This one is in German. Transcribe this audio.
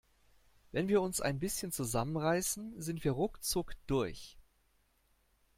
Wenn wir uns ein bisschen zusammen reißen, sind wir ruckzuck durch.